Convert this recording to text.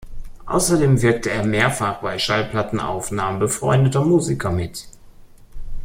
Außerdem wirkte er mehrfach bei Schallplattenaufnahmen befreundeter Musiker mit.